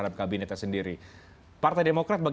yang berada di depan